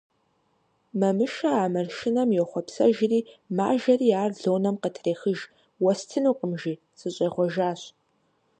Мамышэ а маршынэм йохъуэпсэжри мажэри ар Лонэм къытрехыж: «Уэстынукъым, – жи, – сыщӀегъуэжащ».